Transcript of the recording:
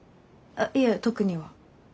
あっいえ特には。